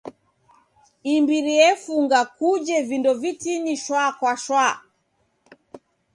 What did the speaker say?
Imbiri efunga kuje vindo vitini shwa kwa shwa.